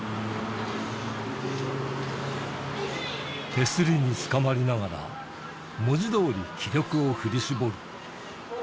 手すりにつかまりながら、文字どおり気力を振り絞る。